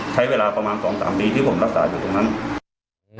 ใช้เวลาประมาณ๒๓ปีที่ผมรักษาอยู่ตรงนั้น